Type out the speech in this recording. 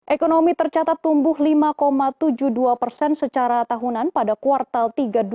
ekonomi tercatat tumbuh lima tujuh puluh dua persen secara tahunan pada kuartal tiga dua ribu dua puluh